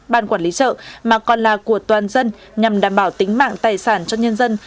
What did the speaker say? ban quản lý chợ mà còn là của toàn dân nhằm đảm bảo tính mạng tài sản cho nhân dân